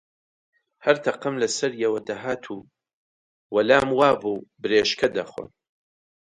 هەر تەقەم لە سەریەوە دەهات و لام وا بوو برێشکە دەخۆن